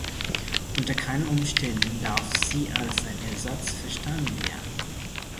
Unter keinen Umständen darf sie als ein Ersatz verstanden werden.